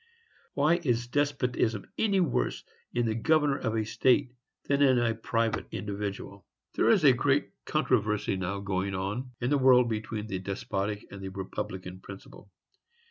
Why is despotism any worse in the governor of a state than in a private individual? There is a great controversy now going on in the world between the despotic and the republican principle.